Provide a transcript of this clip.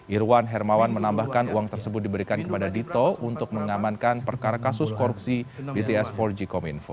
irwan hermawan menambahkan uang tersebut diberikan kepada dito untuk mengamankan perkara kasus korupsi bts empat g kominfo